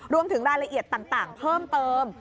รวมถึงรายละเอียดต่างเพิ่มเติม